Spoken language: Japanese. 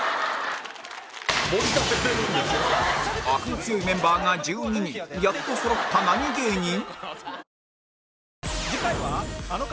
アクの強いメンバーが１２人やっとそろった何芸人？